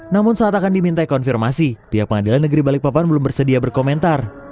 namun saat akan diminta konfirmasi pihak pengadilan negeri balikpapan belum bersedia berkomentar